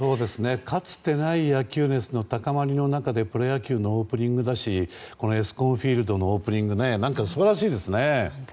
かつてない野球熱の高まりの中でプロ野球のオープニングだしエスコンフィールドのオープニング素晴らしいですね。